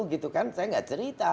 gitu kan saya nggak cerita